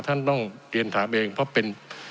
ท่านต้องเรียนถามเองเพราะเป็น